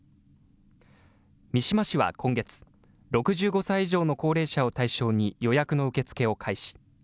三島市は今月、６５歳以上の高齢者を対象に、予約の受け付けを開始。